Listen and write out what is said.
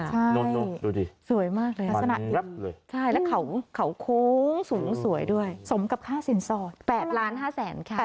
ใช่สวยมากเลยลักษณะดีและเขาโค้งสูงสวยด้วยสมกับค่าสินสอบ๘๕๐๐๐๐๐บาทค่ะ